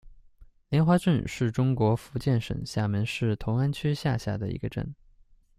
莲花镇是中国福建省厦门市同安区下辖的一个镇。